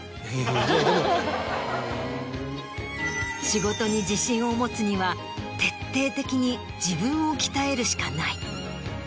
仕事に自信を持つには徹底的に自分を鍛えるしかない。